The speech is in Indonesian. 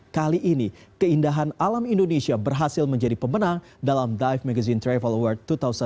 kali ini keindahan alam indonesia berhasil menjadi pemenang dalam dive magazine travel award dua ribu delapan belas